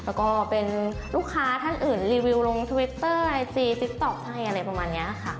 แล้วก็เป็นลูกค้าท่านอื่นรีวิวลงทวิตเตอร์ไอจีติ๊กต๊อกให้อะไรประมาณนี้ค่ะ